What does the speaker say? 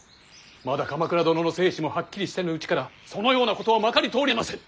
まだ鎌倉殿の生死もはっきりせぬうちからそのようなことはまかり通りませぬ。